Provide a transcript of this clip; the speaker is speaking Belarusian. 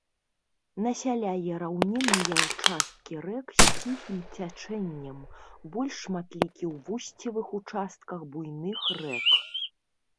Насяляе раўнінныя ўчасткі рэк з ціхім цячэннем, больш шматлікі ў вусцевых участках буйных рэк.